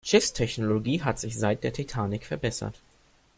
Schiffstechnologie hat sich seit der Titanic verbessert.